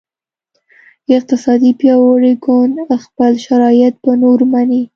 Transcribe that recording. اقتصادي پیاوړی ګوند خپل شرایط په نورو مني